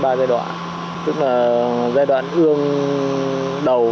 tức là giai đoạn ương đầu và giai đoạn sau